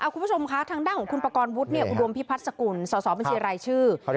คุณผู้ชมคะทางด้านของคุณปกรณ์วุฒิอุดวมพี่พัทธ์สกุลส่อเป็นชื่ออะไร